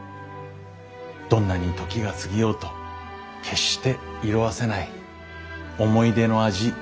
どんなに時が過ぎようと決して色あせない思い出の味